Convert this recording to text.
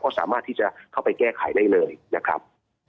ก็สามารถที่จะเข้าไปแก้ไขได้เลยนะครับ